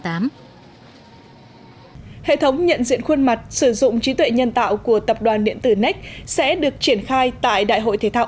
hệ thống nhận diện khuôn mặt sử dụng trí tuệ nhân tạo của tập đoàn điện tử nec sẽ được triển khai tại đại hội thể thao